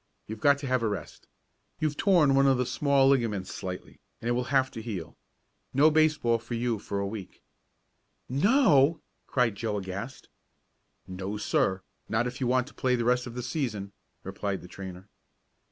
You've got to have a rest. You've torn one of the small ligaments slightly, and it will have to heal. No baseball for you for a week." "No!" cried Joe aghast. "No, sir! Not if you want to play the rest of the season," replied the trainer.